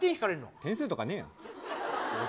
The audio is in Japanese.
点数とかねえよ。